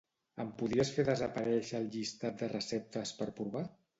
Em podries fer desaparèixer el llistat de receptes per provar?